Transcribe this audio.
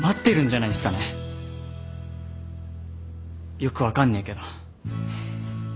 よく分かんねえけど。